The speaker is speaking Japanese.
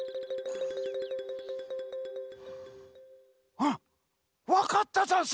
あっわかったざんす！